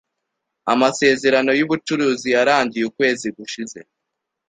Amasezerano yubucuruzi yarangiye ukwezi gushize.